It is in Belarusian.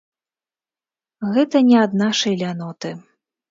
Гэта не ад нашай ляноты.